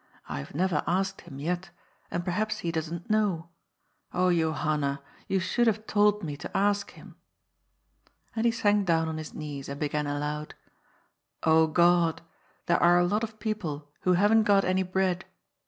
^* I have never asked him yet, and perhaps he doesn't know. Oh, Johanna, you should have told me to ask him." And he sank down on his knees and began aloud :'^ Ood, there are a lot of people who haven't got any bread.